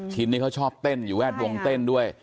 ชิ้นนี้เขาชอบเต้นอยู่แวดวงเต้นด้วย